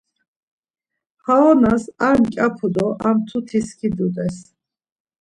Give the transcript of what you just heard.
Ham onas ar mǩyapu do ar mtuti skidut̆es.